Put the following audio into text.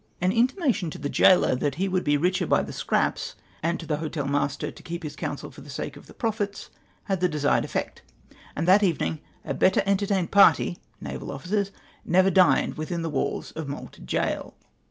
An mtimation to the gaoler that he would be the richer by the scraps, and to the hotel master to keep liis counsel for the sake of the profits, had the desu^ed effect ; and that evening a better entertained [)arty (naval officers) never dined within the walls of Malta gaol.